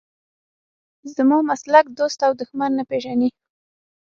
زما مسلک دوست او دښمن نه پېژني.